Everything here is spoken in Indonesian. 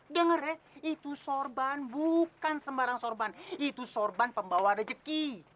denger ya itu sorban bukan sembarang sorban itu sorban pembawa rejeki